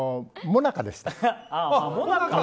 もなかでした。